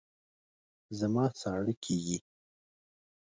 زما ساړه کېږي